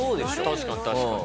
確かに確かに。